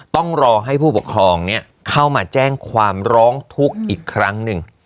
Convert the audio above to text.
ต้องรอให้ผู้ปกครองเข้ามาแจ้งความร้องทุกข์อีกครั้งหนึ่ง